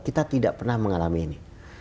kita tidak pernah mengalami ini